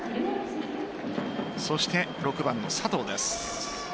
そして６番の佐藤です。